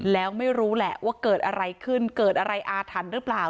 แล้วไม่รู้แหละว่าเกิดอะไรขึ้นเกิดอะไรอาถรรพ์หรือเปล่า